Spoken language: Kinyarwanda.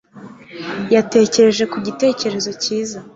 Yatekereje ku gitekerezo cyiza